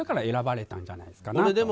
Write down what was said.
だから選ばれたんじゃないかなと。